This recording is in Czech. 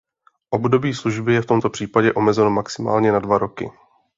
Období služby je v tomto případě omezeno maximálně na dva roky.